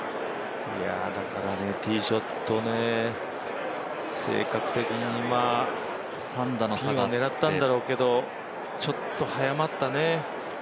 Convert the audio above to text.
ティーショット、性格的にピンを狙ったんだろうけれども、ちょっと早まったね。